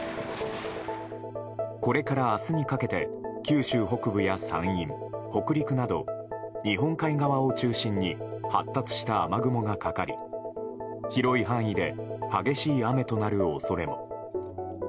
これから明日にかけて九州北部や山陰北陸など日本海側を中心に発達した雨雲がかかり広い範囲で激しい雨となる恐れも。